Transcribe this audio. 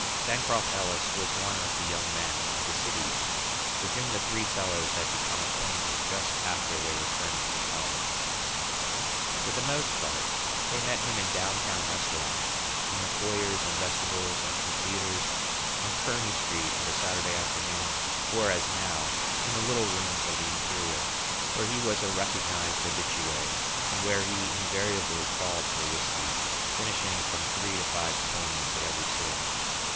Bancroft Ellis was one of the young men of the city with whom the three fellows had become acquainted just after their return from college. For the most part, they met him at downtown restaurants, in the foyers and vestibules of the theatres, on Kearney Street of a Saturday afternoon, or, as now, in the little rooms of the Imperial, where he was a recognized habitué and where he invariably called for whisky, finishing from three to five "ponies" at every sitting.